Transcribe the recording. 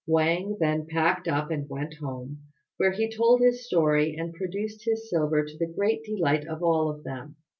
Wang then packed up and went home, where he told his story and produced his silver to the great delight of all of them.